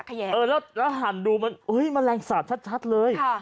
แล้วหันดูมันอุ๊ยมะแรงสาบชัดเลย